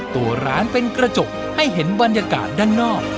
ตัวร้านเป็นกระจกให้เห็นบรรยากาศด้านนอก